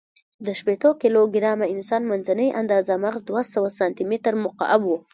د شپېتو کیلو ګرامه انسان، منځنۍ آندازه مغز دوهسوه سانتي متر مکعب و.